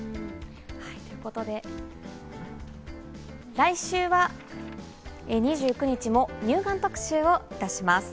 ということで、来週２９日も乳がん特集をいたします。